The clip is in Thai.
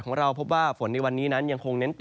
ก็จะมีการแผ่ลงมาแตะบ้างนะครับ